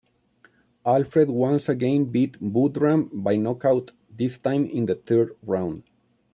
Alfred once again beat Boodram by knockout, this time in the third round.